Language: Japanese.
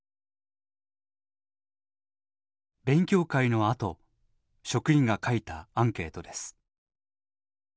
勉強会のあと職員が書いたアンケートです。